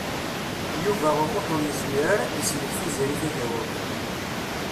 Yuba U Muḥ ur yezmir ara ad d-isellek Tiziri Tagawawt.